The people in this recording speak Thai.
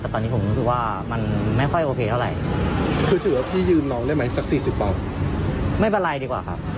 แต่ตอนนี้ผมรู้สึกว่ามันไม่ค่อยโอเคเท่าไร